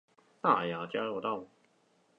大雅交流道